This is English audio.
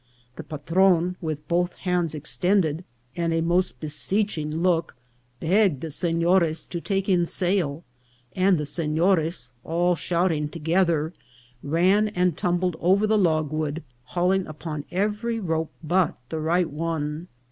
The patron, with both hands extended, and a most beseech 34 388 INCIDENTS OF TRAVEL. ing look, begged the senores to take in sail ; and the se nores, all shouting together, ran and tumbled over the logwood, hauling upon every rope but the right one.